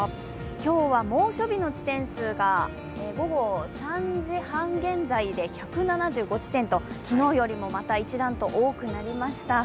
今日は猛暑日の地点数が午後３時半現在で１７５地点と、昨日よりもまた一段と多くなりました。